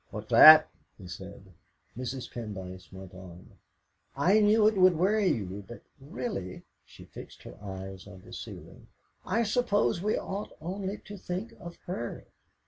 "What's that?" he said. Mrs. Pendyce went on "I knew it would worry you; but really" she fixed her eyes on the ceiling "I suppose we ought only to think of her."